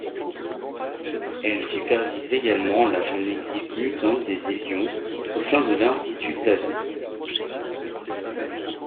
Elle supervise également la jeune équipe mutante des Hellions, au sein de l'Institut Xavier.